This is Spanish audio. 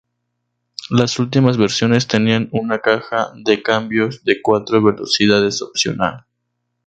Las últimas versiones tenían una caja de cambios de cuatro velocidades opcional.